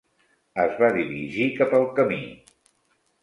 Es va dirigir cap al camí.